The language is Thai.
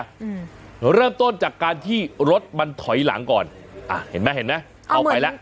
อืมเริ่มต้นจากการที่รถมันถอยหลังก่อนอ่ะเห็นไหมเห็นไหมเอาไปแล้ว